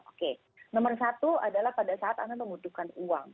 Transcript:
oke nomor satu adalah pada saat anda membutuhkan uang